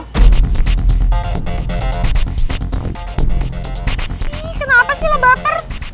ih kenapa sih lo baper